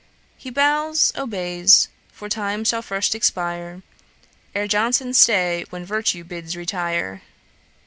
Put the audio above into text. He bows, obeys; for time shall first expire, Ere Johnson stay, when Virtue bids retire.'